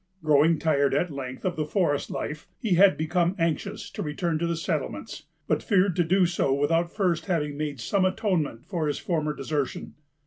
Growing tired, at length, of the forest life, he had become anxious to return to the settlements, but feared to do so without first having made some atonement for his former desertion.